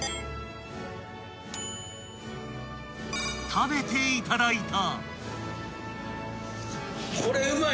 ［食べていただいた］